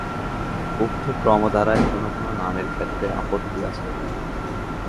উক্ত ক্রমধারায় কোন কোন নামের ক্ষেত্রে আপত্তি আছে।